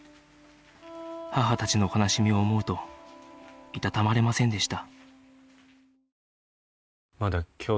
母たちの悲しみを思うといたたまれませんでした